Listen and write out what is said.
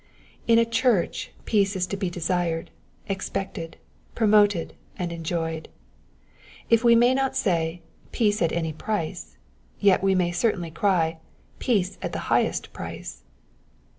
In a church peace is to be desired, expected, promoted, and enjoyed. If we may not say "Peace at any price," yet we may certainly cry *' Peace at the •highest price."